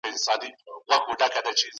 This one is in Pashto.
همدا اسلام دی چي د ژوند حق ورکوي.